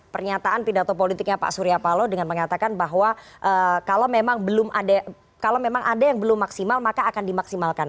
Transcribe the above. pernyataan pidato politiknya pak suryapalo dengan mengatakan bahwa kalau memang ada yang belum maksimal maka akan dimaksimalkan